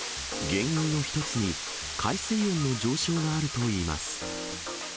原因の一つに、海水温の上昇があるといいます。